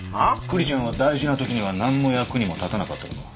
クリちゃんは大事なときには何の役にも立たなかったのか？